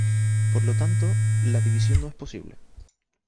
Por lo tanto, la división no es posible.